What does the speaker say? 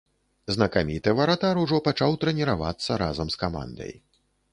Знакаміты варатар ужо пачаў трэніравацца разам з камандай.